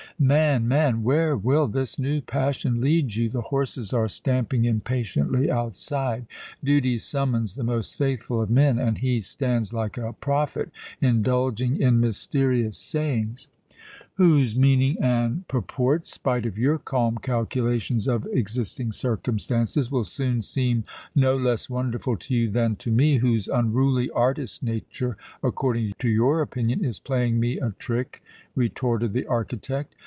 "Man, man! Where will this new passion lead you? The horses are stamping impatiently outside; duty summons the most faithful of men, and he stands like a prophet, indulging in mysterious sayings!" "Whose meaning and purport, spite of your calm calculations of existing circumstances, will soon seem no less wonderful to you than to me, whose unruly artist nature, according to your opinion, is playing me a trick," retorted the architect.